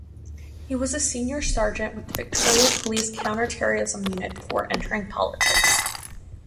He was a Senior Sergeant with the Victoria Police counter-terrorism unit before entering politics.